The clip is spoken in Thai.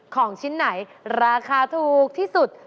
ของชิ้นไหนราคาถูกที่สุด